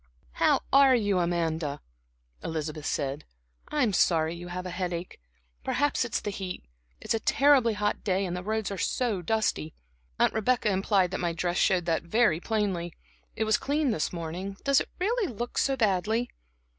"How are you, Amanda?" Elizabeth said. "I'm sorry you have a headache. Perhaps it's the heat. It's a terribly hot day, and the roads are so dusty. Aunt Rebecca implied that my dress showed that very plainly. It was clean this morning does it really look so badly?"